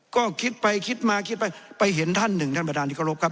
ก็คิดไปคิดมาคิดไปไปเห็นท่านหนึ่งท่านประธานที่เคารพครับ